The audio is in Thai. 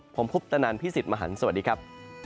ผมคุปตนันพี่สิทธิ์มหันฯสวัสดีครับ